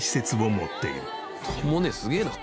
とも姉すげえな。